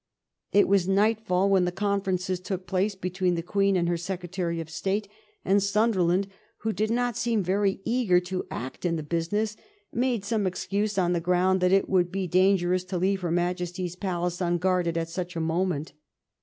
It was nightfall when the conference took place be tween the Queen and her Secretary of State, and Sun derland, who did not seem very eager to act in the business, made some excuse on the ground that it would be dangerous to leave her Majesty's palace unguarded at such a moment.